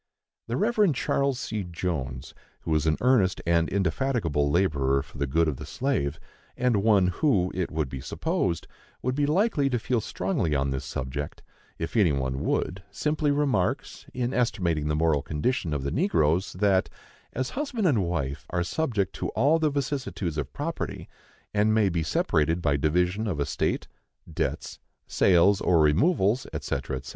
The Reverend Charles C. Jones, who was an earnest and indefatigable laborer for the good of the slave, and one who, it would be supposed, would be likely to feel strongly on this subject, if any one would, simply remarks, in estimating the moral condition of the negroes, that, as husband and wife are subject to all the vicissitudes of property, and may be separated by division of estate, debts, sales or removals, &c. &c.